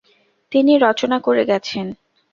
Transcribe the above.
তিনি রচনা করে গেছেন।